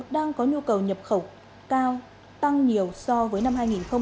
đang có nhu cầu nhập khẩu cao tăng nhiều so với năm hai nghìn hai mươi hai